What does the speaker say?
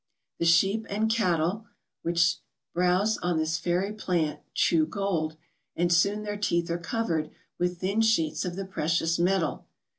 The sheep and cattle which browse on this fairy plant chew gold, and soon their teeth are covered with thin sheets of the precious metal.